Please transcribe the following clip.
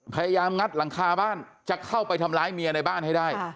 งัดหลังคาบ้านจะเข้าไปทำร้ายเมียในบ้านให้ได้